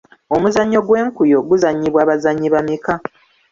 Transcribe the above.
Omuzannyo gw'enkuyo guzanyibwa abazannyi bameka ?